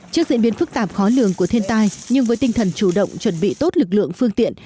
trước diễn biến phức tạp khó lường của thiên tai nhưng với tinh thần chủ động chuẩn bị tốt lực lượng phương tiện